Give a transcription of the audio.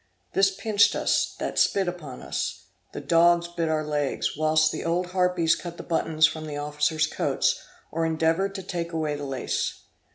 This pinched us, that spit upon us; the dogs bit our legs, whilst the old harpies cut the buttons from the officers coats, or endeavored to take away the lace.